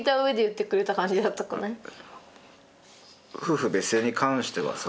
夫婦別姓に関してはさ。